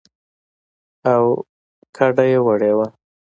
او کډه يې وړې وه.